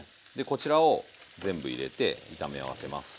こちらを全部入れて炒め合わせます。